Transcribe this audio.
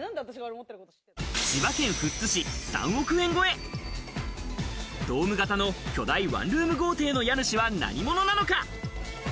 千葉県富津市３億円超え、ドーム型の巨大ワンルーム豪邸の家主は何者なのか？